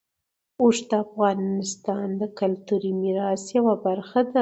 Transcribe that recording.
اوښ د افغانستان د کلتوري میراث یوه برخه ده.